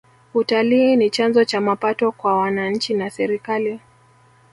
utalii ni chanzo cha mapato kwa wananchi na serikali